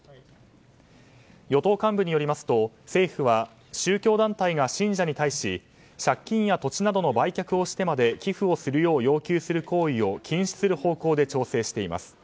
与党幹部によりますと政府は宗教団体が信者に対し借金や土地などの売却をしてまで寄付をするよう要求する行為を禁止する方向で調整しています。